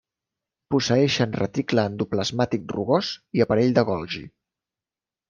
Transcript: Posseeixen reticle endoplasmàtic rugós i aparell de Golgi.